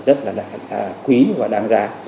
rất là quý và đáng giá